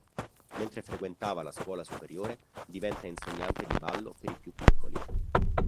Mentre frequentava la scuola superiore diventa insegnante di ballo per i più piccoli.